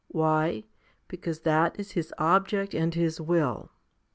Why ? Because that is his object and his will.